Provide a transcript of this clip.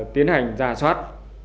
tiến hành ra soát